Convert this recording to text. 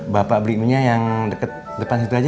bapak beri mie nya yang deket depan situ aja ya